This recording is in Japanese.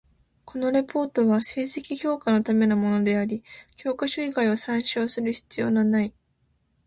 このレポートは成績評価のためのものであり、教科書以外を参照する必要なない。